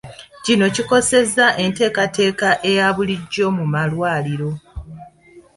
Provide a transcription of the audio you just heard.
Kino kikoseza enteekateeka eya bulijjo mu malwaliro.